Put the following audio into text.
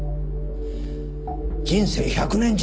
人生１００年時代。